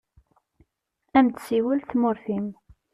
Ad am-d-tessiwel tmurt-im.